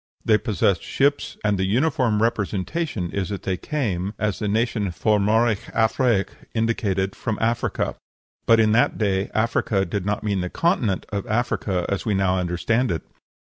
They possessed ships, and the uniform representation is that they came, as the name F'omoraig Afraic indicated, from Africa. But in that day Africa did not mean the continent of Africa, as we now understand it.